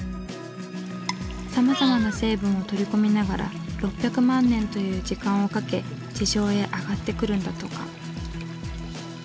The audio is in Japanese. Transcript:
さまざまな成分を取り込みながら６００万年という時間をかけ地上へ上がってくるんだとか。